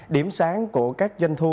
điểm sáng của các doanh thu